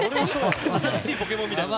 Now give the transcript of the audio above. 新しいポケモンみたい。